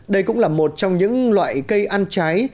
đây cũng là một trong những loại cây ăn trái